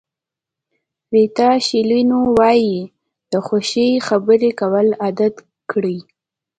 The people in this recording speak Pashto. ریتا شیلینو وایي د خوښیو خبرې کول عادت کړئ.